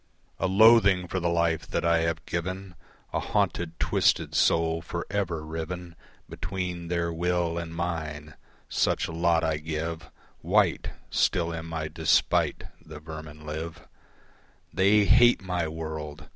A loathing for the life that I have given, A haunted, twisted soul for ever riven Between their will and mine such lot I give White still in my despite the vermin live. They hate my world!